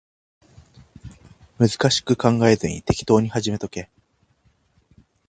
難しく考えずに適当に始めとけ